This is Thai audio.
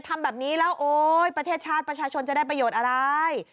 ทำแบบนี้แล้วโอ๊ยประเทศชาติประชาชนจะได้ประโยชน์อะไร